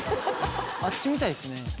あっち見たいですね。